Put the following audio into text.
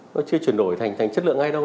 nó chưa chuyển đổi thành chất lượng ngay đâu